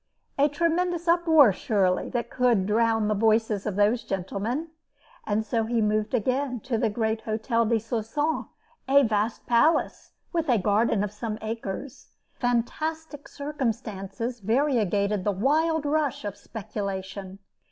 A tremendous uproar surely, that could drown the voices of those gentlemen! And so he moved again, to the great Hotel de Soissons, a vast palace, with a garden of some acres. Fantastic circumstances variegated the wild rush of speculation.